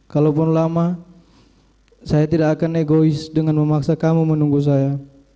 kalaupun lama saya tidak akan egois dengan memaksa kamu menunggu saya